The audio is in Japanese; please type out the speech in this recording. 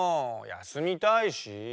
やすみたいし。